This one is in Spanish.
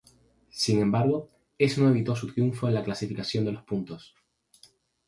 Sin embargo, eso no evitó su triunfo en la clasificación de los puntos.